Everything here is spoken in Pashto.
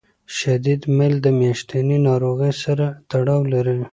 شدید میل د میاشتنۍ ناروغۍ سره تړاو لري.